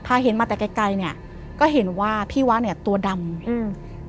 เห็นมาแต่ไกลไกลเนี้ยก็เห็นว่าพี่วะเนี้ยตัวดำอืม